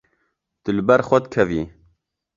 Tu li ber xwe dikevî.